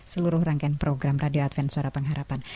seluruh rangkaian program radio adven suara pengharapan